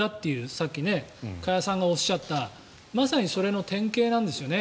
さっき、加谷さんがおっしゃったまさにそれの典型なんですよね